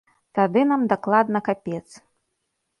Тады нам дакладна капец.